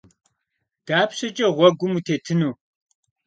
Dapşeç'e ğuegum vutêtınu?